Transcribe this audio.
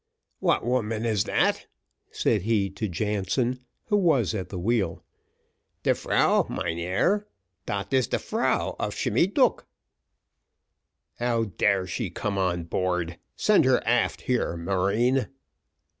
"What woman is that?" said he to Jansen, who was at the wheel. "De frau, mynheer. Dat is de frau of Shimmy Duk." "How dare she come on board? Send her aft here, marine."